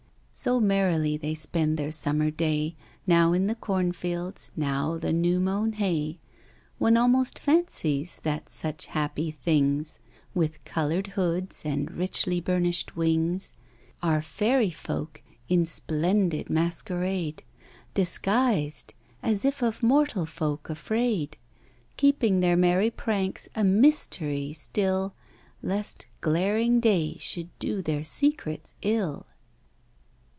So merrily they spend their summer day, Now in the cornfields, now the new mown hay. One almost fancies that such happy things, With coloured hoods and richly burnished wings, Are fairy folk, in splendid masquerade Disguised, as if of mortal folk afraid, Keeping their merry pranks a mystery still, Lest glaring day should do their secrets ill.